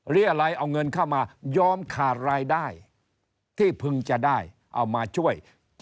เรียกอะไรเอาเงินเข้ามายอมขาดรายได้ที่พึงจะได้เอามาช่วย